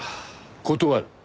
断る。